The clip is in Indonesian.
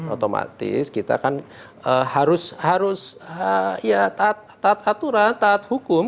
otomatis kita kan harus ya taat aturan taat hukum